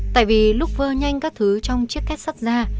tại vì lúc vơ nhanh các thứ trong chiếc cát sắt ra